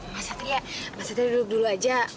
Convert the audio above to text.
mas satria mas satria duduk dulu aja